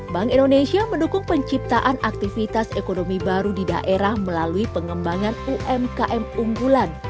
bank indonesia mendukung penciptaan aktivitas ekonomi baru di daerah melalui pengembangan umkm unggulan